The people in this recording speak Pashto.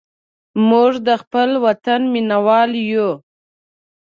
موږ د خپل وطن مینهوال یو.